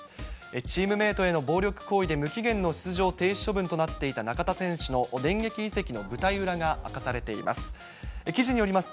チームメートへの暴力行為で無期限の出場停止処分となっていた、中田選手の電撃移籍の舞台裏が明かされています。